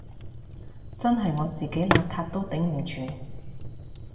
真係我自己邋遢都頂唔住